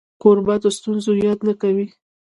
کوربه د ستونزو یاد نه کوي.